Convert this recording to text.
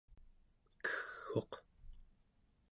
kegg'uq